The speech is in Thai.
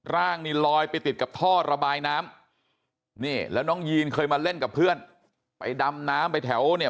ร่างนี่ลอยไปติดกับท่อระบายน้ำนี่แล้วน้องยีนเคยมาเล่นกับเพื่อนไปดำน้ำไปแถวเนี่ย